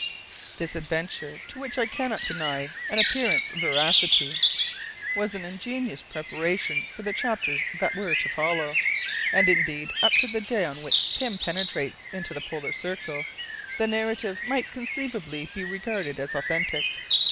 This adventure, to which I cannot deny an appearance of veracity, was an ingenious preparation for the chapters that were to follow, and indeed, up to the day on which Pym penetrates into the polar circle, the narrative might conceivably be regarded as authentic.